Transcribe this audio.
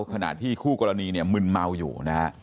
ขณะที่คู่กรณีมึนเมาอยู่